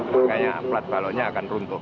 makanya plat baloknya akan runtuh